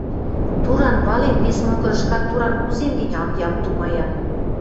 «Туран вален, вес монгырышкат туран кузем гӹнь, ам ям», — тумая.